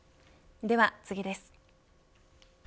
では次です。